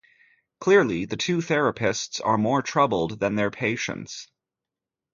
Clearly the two therapists are more troubled than their patients.